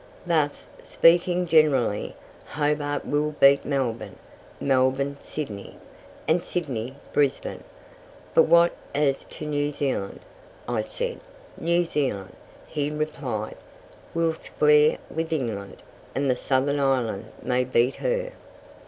Thus, speaking generally, Hobart will beat Melbourne, Melbourne Sydney, and Sydney Brisbane. "But what as to New Zealand?" I said. "New Zealand," he replied, "will square with England, and the Southern Island may beat her."